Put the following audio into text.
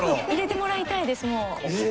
入れてもらいたいですもう。